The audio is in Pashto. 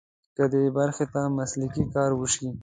که دې برخې ته مسلکي کار وشي.